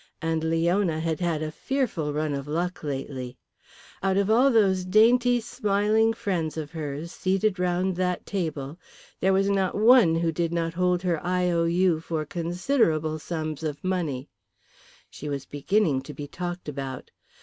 And Leona had had a fearful run of luck lately. Out of all those dainty smiling friends of hers seated round that table there was not one who did not hold her I.O.U. for considerable sums of money. She was beginning to be talked about.